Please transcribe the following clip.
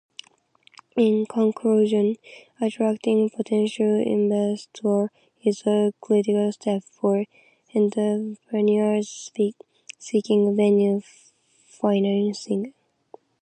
In conclusion, attracting potential investors is a critical step for entrepreneurs seeking venture financing.